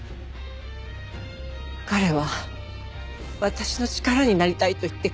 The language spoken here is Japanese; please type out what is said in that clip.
彼は私の力になりたいと言ってくれた。